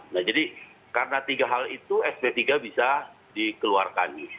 nah jadi karena tiga hal itu sp tiga bisa dikeluarkan